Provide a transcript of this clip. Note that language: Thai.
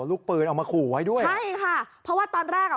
ลูกปืนเอามาขู่ไว้ด้วยใช่ค่ะเพราะว่าตอนแรกอ่ะ